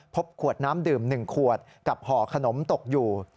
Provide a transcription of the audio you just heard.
พบขวดน้ำดื่ม๑ขวดกับห่อขนมตกอยู่